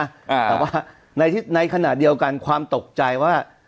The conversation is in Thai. แต่ว่าในในขณะเดียวกันความตกใจว่า